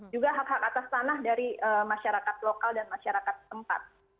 juga hak hak atas tanah dari masyarakat lokal dan masyarakat tempat